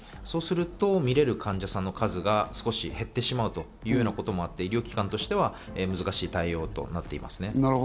そうすると診られる患者さんの数が少し減ってしまうということもあって医療機関としては難しい対応となっています。